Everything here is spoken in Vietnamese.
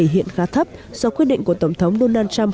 hiện khá thấp do quyết định của tổng thống donald trump